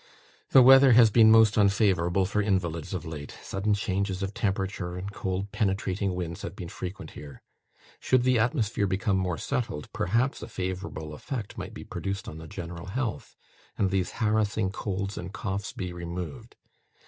The weather has been most unfavourable for invalids of late; sudden changes of temperature, and cold penetrating winds have been frequent here. Should the atmosphere become more settled, perhaps a favourable effect might be produced on the general health, and these harassing colds and coughs be removed.